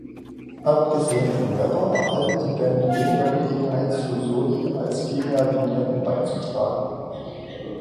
Abgesehen von Webber erhalte die Band weniger Gelegenheit zu Soli als vielmehr Vignetten beizutragen.